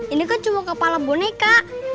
ini kan cuma kepala boneka